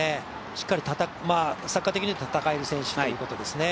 しっかりサッカー的にいうと戦える選手ということですね。